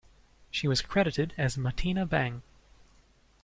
She was credited as Martina Bang.